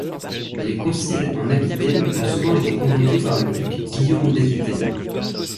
Les conciles en Aquitaine ont souvent été convoqués par le duc Guillaume d'Aquitaine.